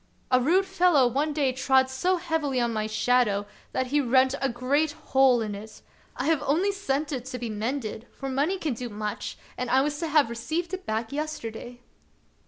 " A rude fellow one day trod so heavily on my shadow that he rent a great hole in it. I have only sent it to be mended, for money can do much, and I was to have received it back yesterday."